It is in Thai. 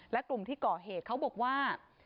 และกลุ่มที่ก่อเหตุเขาบอกว่า